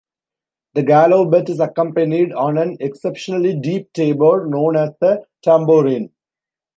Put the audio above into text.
The galoubet is accompanied on an exceptionally deep tabor known as the tambourin.